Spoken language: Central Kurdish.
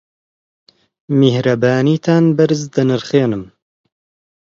میهرەبانیتان بەرز دەنرخێنم.